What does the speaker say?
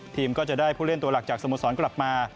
ก็จะได้ผู้เล่นตัวหลักจากสโมสรกลับมา